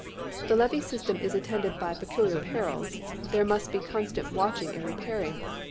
The levee system is attended by peculiar perils. There must be constant watching and repairing.